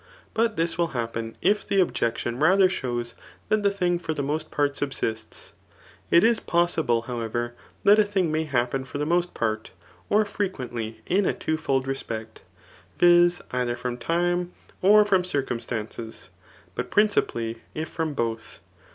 But this will happen, if the objection xadier shows that the thing for die most part sub^sts. It is possible, howerec, dot a thing may happen for die most part, or frequently, ina twofold respect, viz. either from time, or from cixcurn* stances ; but prihcipally if from both.